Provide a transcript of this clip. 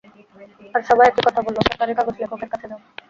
আর সবাই একই কথা বললো, সরকারি কাগজ লেখকের কাছে যাও।